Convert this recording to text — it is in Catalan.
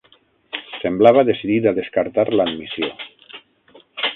Semblava decidit a descartar l'admissió.